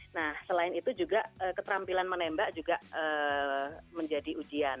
nah selain itu juga keterampilan menembak juga menjadi ujian